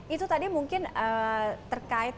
itu tadi mungkin terkait